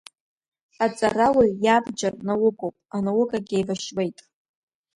Аҵарауаҩ иабџьар наукоуп, Анаукагь еибашьуеит.